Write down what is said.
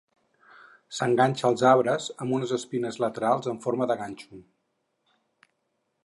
S'enganxa als arbres amb unes espines laterals en forma de ganxo.